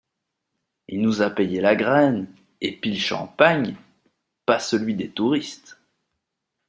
Il nous a payé la graine et pis le champagne, pas celui des touristes